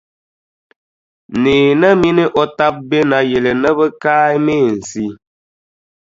Neena mini o taba be Naayili ni bɛ kaai meensi.